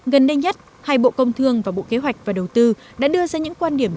gần đây nhất hai bộ công thương và bộ kế hoạch và đầu tư đã đưa ra những quan điểm